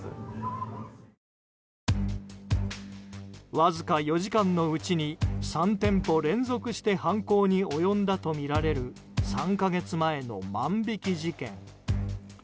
わずか４時間のうちに３店舗連続して犯行に及んだとみられる３か月前の万引き事件。